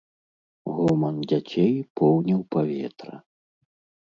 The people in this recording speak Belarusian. Гоман дзяцей поўніў паветра.